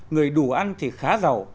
người đủ ăn thì khá giàu